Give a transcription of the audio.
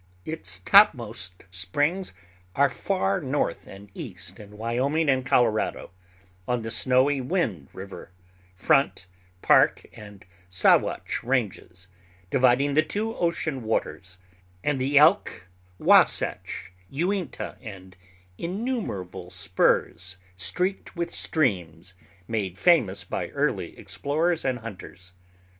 Its topmost springs are far north and east in Wyoming and Colorado, on the snowy Wind River, Front, Park, and Sawatch Ranges, dividing the two ocean waters, and the Elk, Wahsatch, Uinta, and innumerable spurs streaked with streams, made famous by early explorers and hunters.